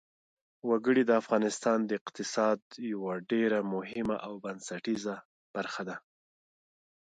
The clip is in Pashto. وګړي د افغانستان د اقتصاد یوه ډېره مهمه او بنسټیزه برخه ده.